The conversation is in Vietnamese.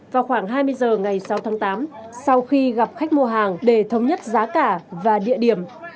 vào khoảng hai mươi h ngày sáu tháng tám sau khi gặp khách mua hàng để thống nhất giá cả và địa điểm